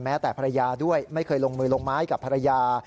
แต่ภรรยาด้วยไม่เคยลงมือลงไม้กับภรรยา